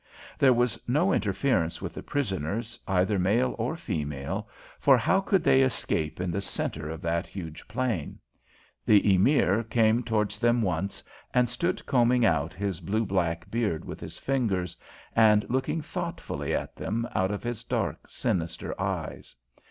There was no interference with the prisoners, either male or female, for how could they escape in the centre of that huge plain? The Emir came towards them once, and stood combing out his blue black beard with his fingers, and looking thoughtfully at them out of his dark, sinister eyes.